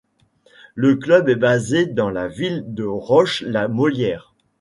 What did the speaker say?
Le club est basé dans la ville de Roche-la-Molière.